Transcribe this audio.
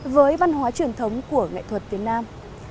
với văn hóa truyền thống của nghệ thuật việt nam